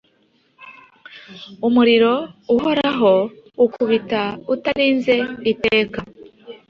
Umuriro uhoraho ukubita utarinze Iteka